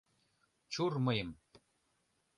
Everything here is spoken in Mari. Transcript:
Чур мыйым!